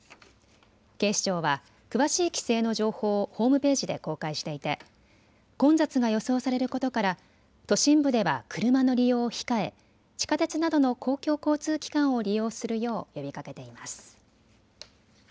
警視庁は詳しい規制の情報をホームページで公開していて混雑が予想されることから都心部では車の利用を控え地下鉄などの公共交通機関を利用するよう呼びかけています。